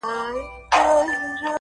ښه دی چي ته خو ښه يې، گوره زه خو داسي يم